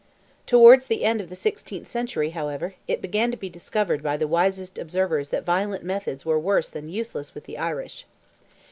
Towards the end of the sixteenth century, however, it began to be discovered by the wisest observers that violent methods were worse than useless with the Irish.